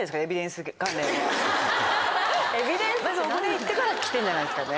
行ってから来てんじゃないですかね。